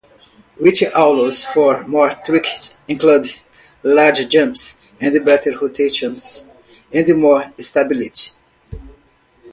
It allows for more tricks, including large jumps and better rotations, and more stability.